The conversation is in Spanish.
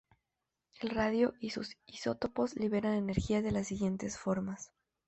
El radio y sus isótopos liberan energía de las siguientes formas.